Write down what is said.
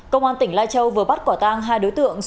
công an tỉnh lai châu vừa bắt quả tang hai đối tượng